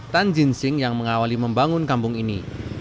tan jin sing yang mengawali membangun kampung ini